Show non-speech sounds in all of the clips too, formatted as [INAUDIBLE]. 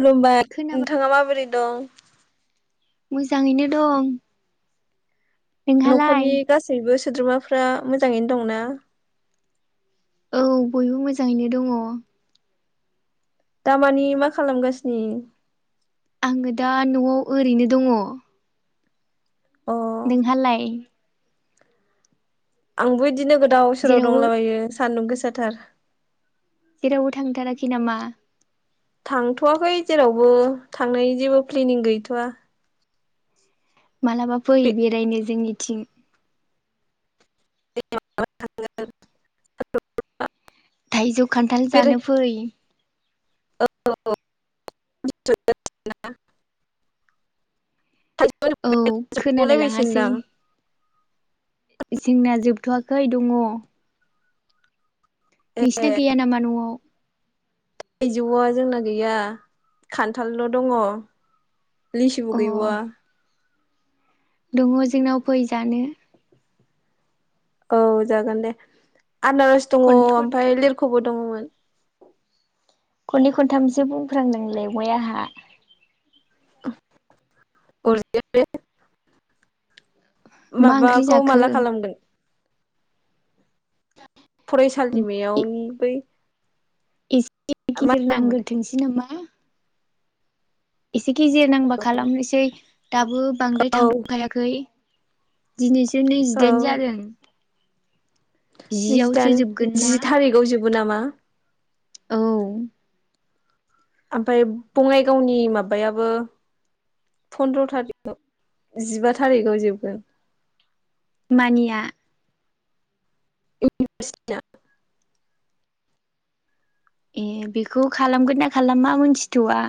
खुलुमबाय खोनाबा नोंथाङा माबोरै दं मोजांङैनो दं नोंहालाय न'खरनि गासैबो सोद्रोमाफ्रा मोजांङैनो दंना औ बयबो मोजांङैनो दंङ दामानि मा खालामगासिनो आङो दा न'आव ओरैनो दङ अ नोंहालाय आंबो बिदिनो गो दाउ सोराव जेरावबो दंलाबायो सान्दुं गोसाथार जेरावबो थांथाराखै नामा थांथ'वाखै जेरावबो थांनायनि जेबो प्लेनिं गैथ'वा मालाबा फै बेरायनो जोंनि थिं [UNINTELLIGIBLE] थायजौ खान्थाल जानो फै औ [UNINTELLIGIBLE] औ खोनालाय लाङासै जोंना जोबथ'वाखै दङ नोंसिना गैया नामा न'आव थाइजौआ जोंना गैया खान्थालल' दङ लिसुबो अ गैबावा दङ जोंनाव फै जानो औ जागोन दे आनारस दङ खननै खन ओमफ्राय लेरख'बो दङमोन खननै खनथामसो बुंफ्रां नोंलायवबाय आंहा [UNINTELLIGIBLE] मा ओंख्रि माबाखौ जाखो माला खालामदों ए फरायसालिमायावनि बै एसे मा गिदिर होनोमोन नांगोरथोंसै नामा जिखिजाया नांबा खालामनोसै दाबो बांद्राय औ थांथ'खायाखै दिनैसि जि औ नैजिदाइन जादों जियावसो नैजिदाइन जोबगोन ना जि थारिखाव जोब नंगौ नामा औ आमफाय बङाइगावनि माबायाबो फन्द्र' थारिखआव जिबा थारिखआव जोबगोन मानिया इउनिभारसिटिनिया ए बेखौ खालामगोन ना खालामा मोनथिथ'वा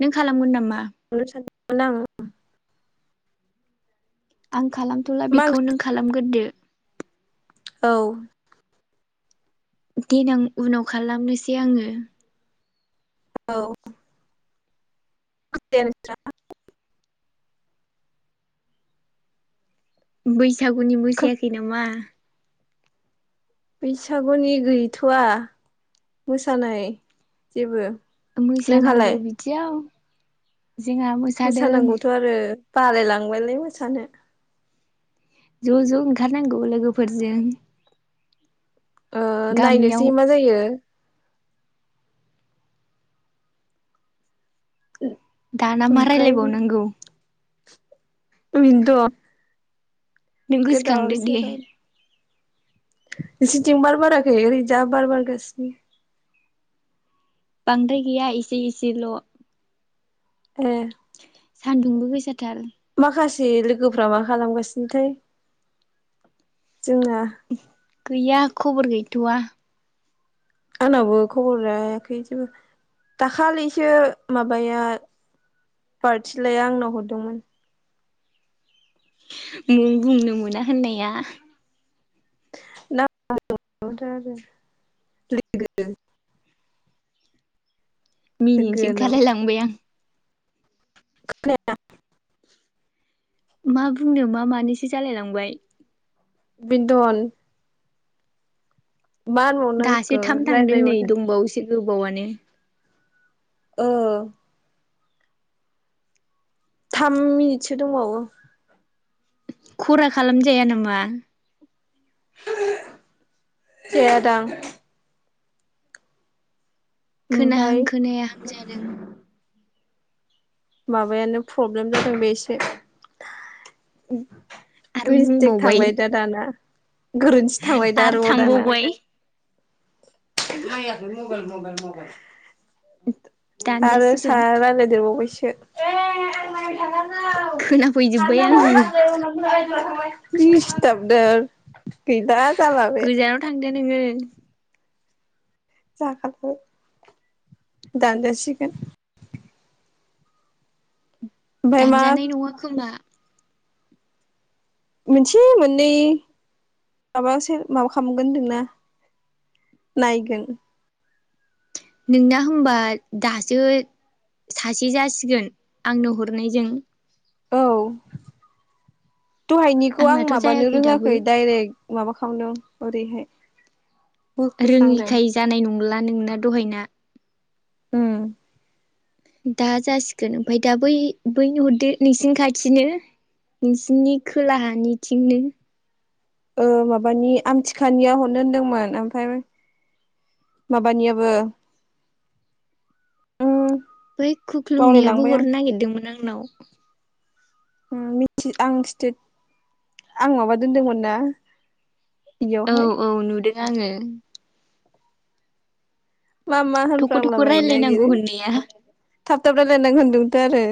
नों खालामगोन नामा। खालामनो सानदोंमोन आङो। आं खालामथ'ला मा बेखौ नों खालामगोरदो। औ देनां उनाव खालामनोसै आङो औ [UNINTELLIGIBLE] बैस सागुनि मोसायाखै नामा? बैसागुनि गैथ'आ मोसानाय जेबो नोंहालाय मोसानांगौ बिदियाव जोंहा मोसादों मोसानांगौथ' आरो बालायलांबायलै मोसानो ज' ज' ओंखारनांगौ लोगोफोरजों ओ गामियाव नायनोसै मा जायो दाना मा ओमफ्राय रायलायबावनांगौ बिनथ' नों गोसोखांदो दे नोंसिनथिं बार बाराखै ओरै जा बार बारगासिनो बांद्राय गैया इसे इसेल' ए सान्दुंबो गोसाथार माखासे लोगोफ्रा मा खालामगासिनोथाय जोंना गैया खबर गैथ'वा आंनावबो खबर लायाखै जेबो दाखालैसो माबाया बारथिलाया आंनाव हरदोंमोन मुं बुंनो मोना होननाया [UNINTELLIGIBLE] मिनिनोसै लोगोनो ओंखारलायलांबाय आं खोनाया मा बुंनो मा मानोसो जालाय लांबाय बेनथन दासो होनबावनांगौ थाम थांदों नै रायलायबावदों दंबावोसो गोबावानो ओ थाम मिनिटसो दंबावो। खरा खालामजाया नामा? जायादां। खोनाहां ओमफाय खोनायाहां जादों। माबायानो प्रब्लेम जादों एसे। आरो मिस्टेक बुंबावबाय थांबाय दा दाना गोरोन्थि थांबायदा आरो र' दाना। थांबावबाय नायाखै मबेइल मबाइल मबाइल। आरो सा दानजासिगोन रायलाय देरबावबाय। सो खोनाफैजोब्बाय आङो। दिसथाबनो। गैला जाला बे। गोजानाव थांदो नोङो। जाखाला दानजासिगोन। ओमफ्राय मा दानजानाय नङा खोमा। मोनसे मोननै माबासो माबा खालामगोन होन जोंना नायगोन। नोंना होनबा दासो सासे जासिगोन आंनो हरनायजों। औ। दहायनिखौ आं आंनाथ' माबानो जायाखै दाबो रोङाखै दाइरेक्ट। माबा खालामदों ओरैहाय। बोखोफ्लांदों रोङिखाय जानाय नंला नोंना दहायना। ओ दा जासिगोन ओमफ्राय दा बै बैनो हरदो नोंसिनि खाथिनो नोंसिनि खोलाहानिथिंनो। ओ माबानि आमथिखानिया हरनो होनदोंमोन ओमफ्राय माबानियाबो उ बै खुख्लुंनियाबो हरनो नागिरदोंमोन आंनाव। ओ आं स्टेट आं माबा दोनदोंमोन ना? औ बेयावहाय औ नुदो। आङो मा मा थख' होनफांला थख' बायनो रायलायनांगौ नागिरो। होननाया थाब थाब रायलाय नांगोन। औ थ' आरो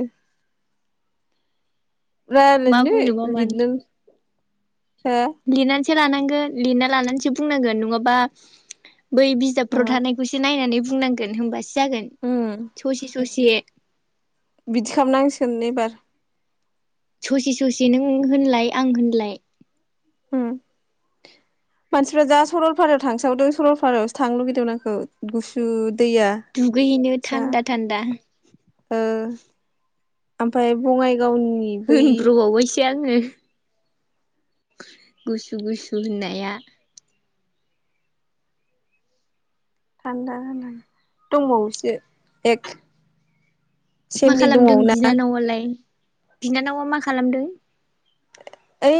मा [UNINTELLIGIBLE] हो लिरनानै सो एसे लानांगोन लिरना लानानैसो बुंनांगोन नङाबा बै बिजाबफ्राव नङा थानायखौसो नायनानै बुंनांगोन बुंनांगोन होनोमबासो जागोन उम ससे ससे बिदि खालामनांसिगोन एबार ससे ससे नों होनलाय आं होनलाय ‌। उम मानसिफ्रा जा सरलपारायाव थांसावदों सरलपारायावसो थांनो लुबैदोंमोन आंखो। गुसु दैया दुगैहैनो जा थान्दा थान्दा। ओ ओमफ्राय बङाइ गावनि बै सो आङो। गुसु गुसु होननाया। थान्दा [UNINTELLIGIBLE] दंबावोसो एक मा सेमनि खालामदों दंबावो ना बिनानावालाय? बिनानावा मा खालामदों? है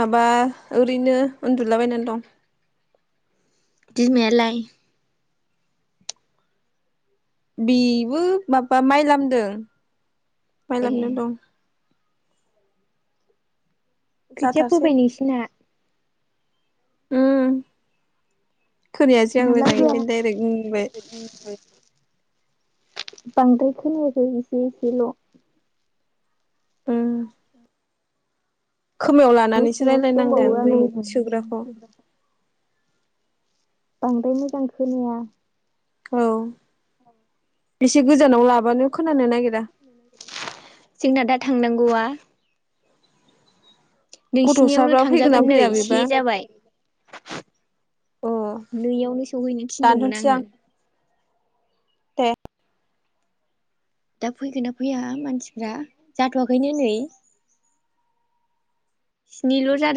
माबा ओरैनो उन्दुलाबायनानै दं। बिमायालाय? बेबो माबा माइ लामदों। माय ए लामदों दं। खोथिया जाथारसै फोबाय नोंसिना? उम। खोनायासै आं माला मोजाङै फोआ बेखायनो डाइरेक्ट उम बुंबाय। बांद्राय खोनायाखै इसे एसेल'। उम। खोमायाव न' लानानैसो सिङावसो दंबावो रायलायनांगोन बै आङो सोग्राखौ। बांद्राय मोजां खोनाया। औ बिसे जोंना दा थांनांगौआ? नोंसिनियावनो गथ'साफ्रा फैगोन ना थांजागोन नै फैया से बेबा जाबाय। अ नैयावनो सौहैनो थिनदोंमोन दानथ'सै आङो। आं दे दा फैगोन ना फैया मानसिफ्रा जाथ'वाखैनो नै स्निल' जादों।